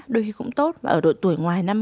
đôi khi cũng tốt và ở độ tuổi ngoài năm mươi